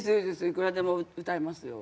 いくらでも歌いますよ。